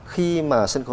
khi mà sân khấu